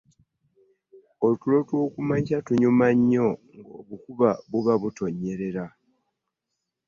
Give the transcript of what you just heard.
Otulo twokumakya tunyuma nnyo nga abukub kuba butonyerera.